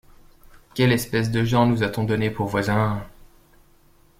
Quelle espèce de gens nous a-t-on donnés pour voisins!